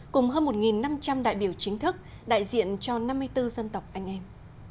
cùng hơn một năm trăm linh đại biểu chính thức đại diện cho năm mươi bốn dân tộc anh em